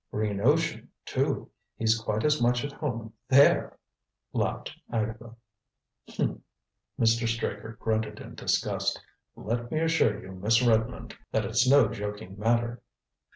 "Green ocean, too he's quite as much at home there," laughed Agatha. "Humph!" Mr. Straker grunted in disgust. "Let me assure you, Miss Redmond, that it's no joking matter."